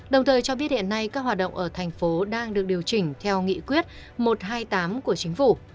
đồng thời cho biết hiện nay các hoạt động ở thành phố đang được điều chỉnh theo nghị quyết một trăm hai mươi tám của chính phủ